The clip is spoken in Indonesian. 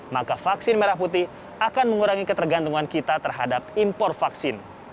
maka vaksin merah putih akan mengurangi ketergantungan kita terhadap impor vaksin